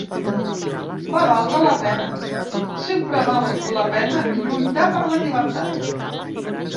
Va valdre la pena, sempre val la pena lluitar per la llibertat.